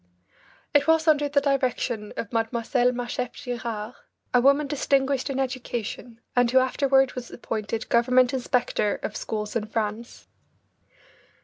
It was under the direction of Mlle. Marchef Girard, a woman distinguished in education, and who afterward was appointed government inspector of schools in France.